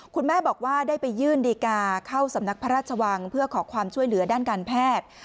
คุณแม่บอกว่าได้ไปยื่นดีการ์เข้าสำนักพระราชวังเพื่อขอความช่วยเหลือด้านการแพทย์